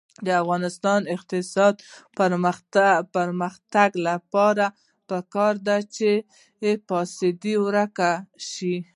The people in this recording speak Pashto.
د افغانستان د اقتصادي پرمختګ لپاره پکار ده چې فساد ورک شي.